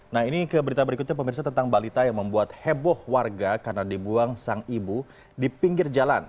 nah ini ke berita berikutnya pemirsa tentang balita yang membuat heboh warga karena dibuang sang ibu di pinggir jalan